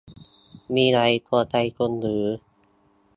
มีอะไรกวนใจคุณหรือ